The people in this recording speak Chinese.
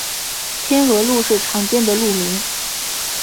天河路是常见的路名。